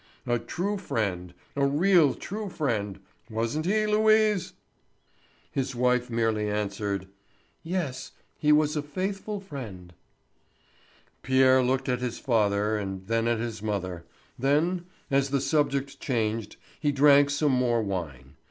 A true friend—a real true friend—wasn't he, Louise?" His wife merely answered: "Yes; he was a faithful friend." Pierre looked at his father and then at his mother, then, as the subject changed he drank some more wine.